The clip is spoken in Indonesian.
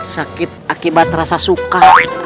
sakit akibat rasa suka